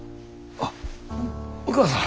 あっお義母さん。